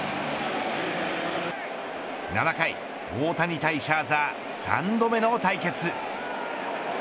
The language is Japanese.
７回、大谷対シャーザー３度目の対決。